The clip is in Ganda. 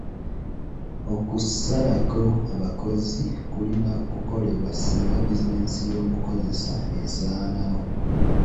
Okusalako abakozi kulina kukolebwa singa bizinensi y'omukozesa esaanawo.